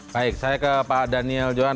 baik saya ke pak daniel johan